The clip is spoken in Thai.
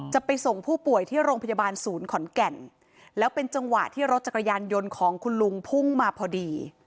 จะไปส่งผู้ป่วยที่โรงพยาบาลศูนย์ขอนแก่นแล้วเป็นจังหวะที่รถจักรยานยนต์ของคุณลุงพุ่งมาพอดี